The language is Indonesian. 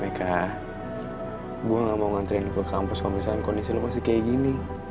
gue gak mau ngantriin ke kampus kalau misalnya kondisi lu masih kayak gini